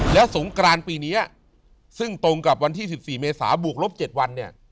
แล้วสงกรานปีนี้ซึ่งตรงกับวันที่๑๔เมษาบวกลบ๗วันเนี่ย